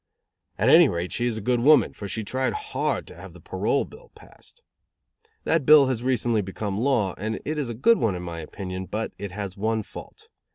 At any rate, she is a good woman, for she tried hard to have the Parole Bill passed. That bill has recently become a law, and it is a good one, in my opinion; but it has one fault.